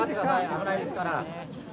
危ないですから。